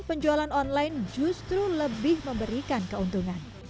penjualan online justru lebih memberikan keuntungan